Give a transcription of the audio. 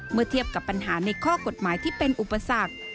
เมื่อเทียบกับปัญหาในข้อกฎหมายที่เป็นอุปสรรค